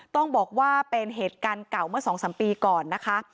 ต้องบอกว่าเป็นเหตุการณ์เก่าเมื่อ๒๓ปีก่อนนะคะ